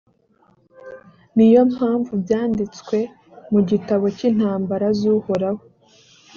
ni yo mpamvu byanditswe mu gitabo cy’intambara z’uhoraho.